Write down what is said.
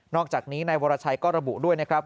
อกจากนี้นายวรชัยก็ระบุด้วยนะครับ